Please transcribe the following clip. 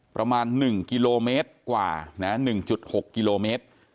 ประมาณ๑กิโลเมตรกว่า๑๖กิโลเมตร